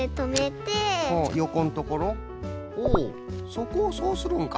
そこをそうするんか。